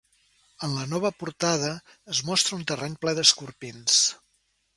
En la nova portada es mostra un terreny ple d'escorpins.